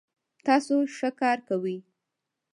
تاسو ښه کار کوئ